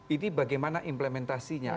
ini bagaimana implementasinya